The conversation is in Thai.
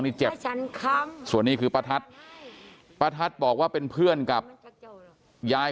ด้านนี้เจ็บส่วนนี้คือประทัศน์ปรากฏบอกว่าเป็นเพื่อนกับยาย